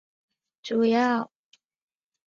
主要城镇为康布雷。